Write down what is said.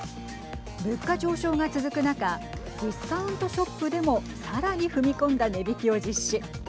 物価上昇が続く中ディスカウントショップでもさらに踏み込んだ値引きを実施。